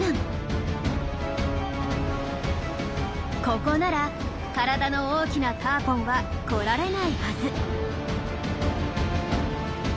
ここなら体の大きなターポンは来られないはず。